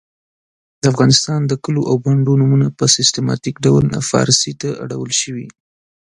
د افغانستان د کلو او بانډو نومونه په سیستماتیک ډول پاړسي ته اړول سوي .